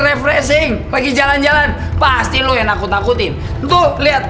refreshing lagi jalan jalan pasti lo yang nakut nakutin tuh lihat